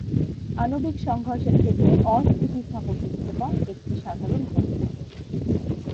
আণবিক সংঘর্ষের ক্ষেত্রে অস্থিতিস্থাপক বিক্ষেপণ একটি সাধারণ ঘটনা।